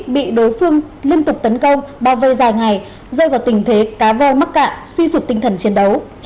bị đối phương liên tục tấn công bao vây dài ngày rơi vào tình thế cá vo mắc cạn suy sụp tinh thần chiến đấu